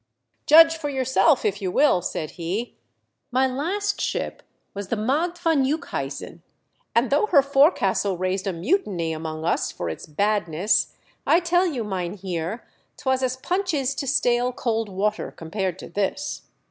"Judge for yourself if you will," said he. "My last ship was the Maagt van Eukhuysen, and though her forecastle raised a mutiny among us for its badness, I tell you, myn heer, 'twas as punch is to stale cold water compared to this."